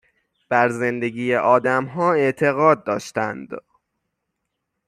بر زندگی آدمها اعتقاد داشتند